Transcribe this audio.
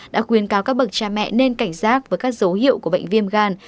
đã khuyên cáo các bậc cha mẹ nên cảnh giác với các dấu hiệu của bệnh viêm gan